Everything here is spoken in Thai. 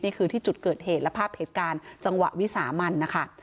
นี่คือที่จุดเกิดเหตุและภาพเหตุการณ์จังหวะวิสามันนะคะ